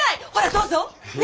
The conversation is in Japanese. どうぞ！ね？